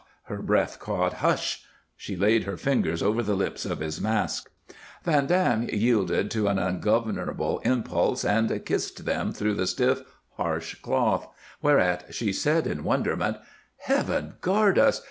Her breath caught. "Hush!" She laid her fingers over the lips of his mask. Van Dam yielded to an ungovernable impulse and kissed them through the stiff, harsh cloth, whereat she said in wonderment: "Heaven guard us!